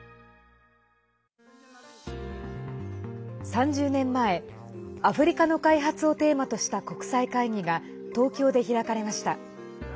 ３０年前アフリカの開発をテーマとした国際会議が東京で開かれました。